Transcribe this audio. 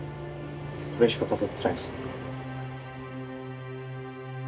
これしか飾ってないです。